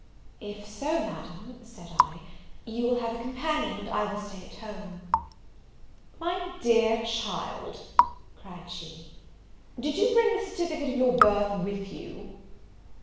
"If so, Madam," said I, "you will have a companion, and I will stay at home." "My dear child," cried she, "did you bring the certificate of your birth with you?"